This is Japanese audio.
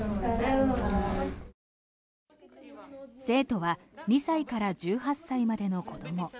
生徒は２歳から１８歳までの子ども